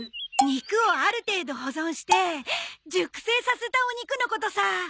肉をある程度保存して熟成させたお肉のことさ！